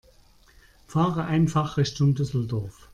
Fahre einfach Richtung Düsseldorf